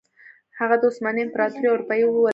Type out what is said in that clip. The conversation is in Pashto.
هغه د عثماني امپراتورۍ او اروپايي ولکې ووتل.